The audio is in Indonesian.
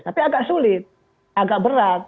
tapi agak sulit agak berat